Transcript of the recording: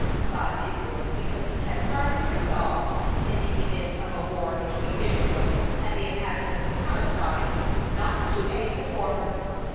God did this because He had firmly resolved, in the event of a war between Israel and the inhabitants of Palestine, not to aid the former.